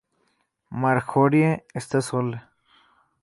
Marjorie está sola.